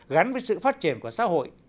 gắn với sự phát triển của xã hội